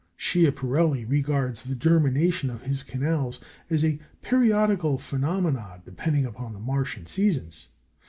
Schiaparelli regards the "germination" of his canals as a periodical phenomenon depending on the Martian seasons.